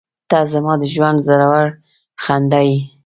• ته زما د ژونده زړور خندا یې.